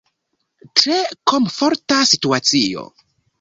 Tre komforta situacio.